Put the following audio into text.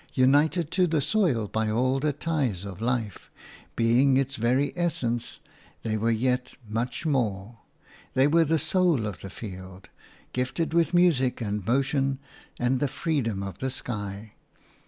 United to the soil by all the ties of life, being its very essence, they were yet much more; they were the soul of the field – gifted with music and motion and the freedom of the sky.